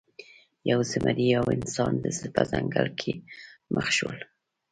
یو زمری او یو انسان په ځنګل کې مخ شول.